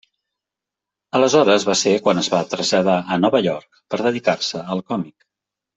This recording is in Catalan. Aleshores va ser quan es va traslladar a Nova York per dedicar-se al còmic.